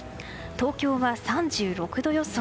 東京は３６度予想。